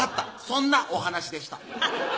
そんなお話でした